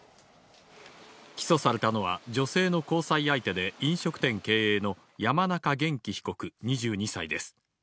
起訴されたのは、女性の交際相手で、飲食店経営の山中元稀被告２２歳です。